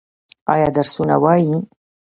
ایا درسونه وايي؟